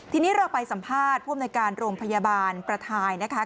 ทีนี้เราไปสัมภาษณ์ผู้อำนวยการโรงพยาบาลประทายนะคะ